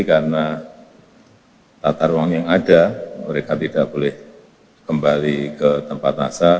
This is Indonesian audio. karena tata ruang yang ada mereka tidak boleh kembali ke tempat nasa